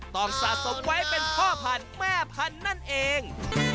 สะสมไว้เป็นพ่อพันธุ์แม่พันธุ์นั่นเอง